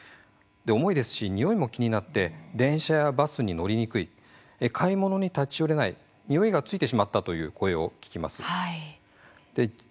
重いですし、においも気になって電車やバスに乗りにくい買い物に立ち寄れないにおいがついてしまったという声を聞きます。